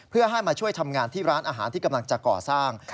เพื่อให้มาช่วยทำงานที่ร้านอาหารที่กำลังจะก่อสร้าง